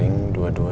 jalan mutiara kebun